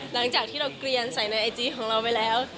หลังจากที่เราเกลียนใส่ในไอจีของเราไปแล้ว